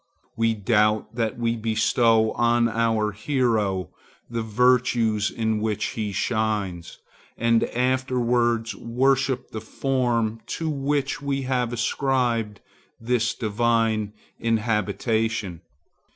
We doubt that we bestow on our hero the virtues in which he shines, and afterwards worship the form to which we have ascribed this divine inhabitation.